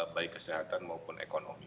baik kesehatan maupun ekonomi